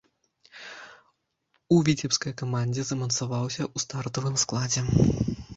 У віцебскай камандзе замацаваўся ў стартавым складзе.